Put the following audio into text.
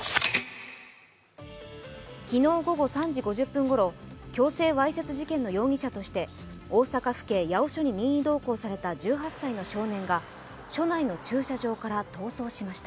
昨日午後３時５０分頃、強制わいせつ事件の容疑者として大阪府警八尾署に任意同行された１８歳の少年が署内の駐車場から逃走しました。